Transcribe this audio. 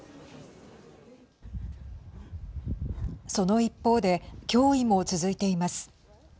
その一方で脅威も続いています。